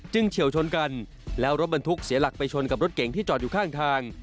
เฉียวชนกันแล้วรถบรรทุกเสียหลักไปชนกับรถเก๋งที่จอดอยู่ข้างทาง